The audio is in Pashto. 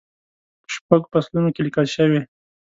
په شپږو فصلونو کې لیکل شوې.